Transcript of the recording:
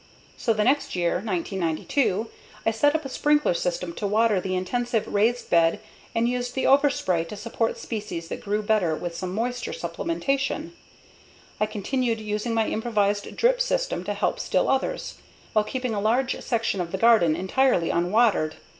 So, the next year, 1992, I set up a sprinkler system to water the intensive raised bed and used the overspray to support species that grew better with some moisture supplementation; I continued using my improvised drip system to help still others, while keeping a large section of the garden entirely unwatered.